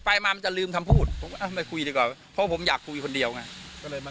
ไปมามันจะลืมคำพูดผมก็ไปคุยดีกว่าเพราะผมอยากคุยคนเดียวไงก็เลยมา